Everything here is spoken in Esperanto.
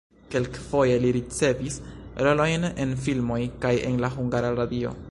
Kelkfoje li ricevis rolojn en filmoj kaj en la Hungara Radio.